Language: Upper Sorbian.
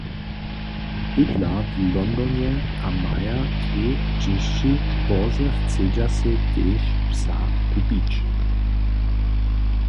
Bydla w Londonje a maja dwě dźěsći, bórze chcedźa sej tež psa kupić.